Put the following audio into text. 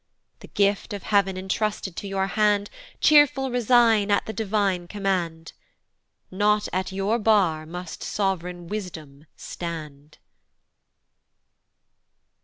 The gift of heav'n intrusted to your hand Cheerful resign at the divine command: Not at your bar must sov'reign Wisdom stand.